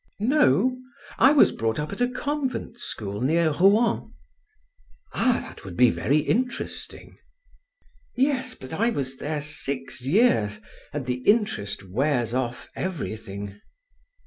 "No? I was brought up at a convent school near Rouen." "Ah—that would be very interesting." "Yes, but I was there six years, and the interest wears off everything."